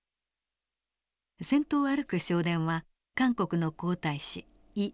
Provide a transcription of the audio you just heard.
先頭を歩く少年は韓国の皇太子イ・ウン。